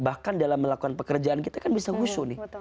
bahkan dalam melakukan pekerjaan kita kan bisa husu nih